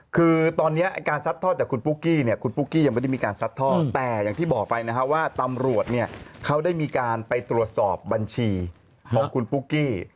คือตอนนี้การซัดทอดจากคุณปุ๊กกี้เนี่ยคุณปุ๊กกี้ยังไม่ได้มีการซัดทอดแต่อย่างที่บอกไปนะฮะว่าตำรวจเนี่ยเขาได้มีการไปตรวจสอบบัญชีของคุณปุ๊กกี้